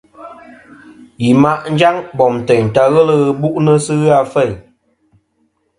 Yi ma' njaŋ bom teyn ta ghelɨ bu'nɨ sɨ ghɨ a feyn.